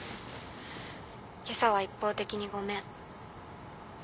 今朝は一方的にごめん。